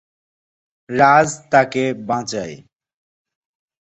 রাজ তাকে বাঁচায়।